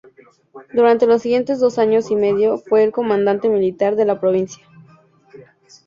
Durante los siguientes dos años y medio fue el comandante militar de la provincia.